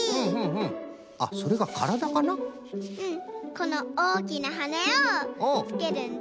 このおおきなはねをつけるんだ。